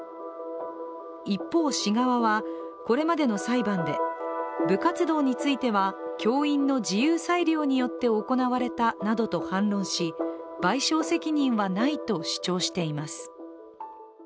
一方、市側はこれまでの裁判で部活動については教員の自由裁量によって行われたなどと反論し、賠償責任はないと主張しています。